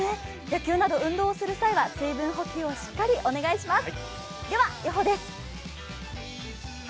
野球など運動をする際は水分補給をお願いします。